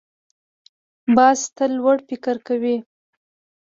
باز تل لوړ فکر کوي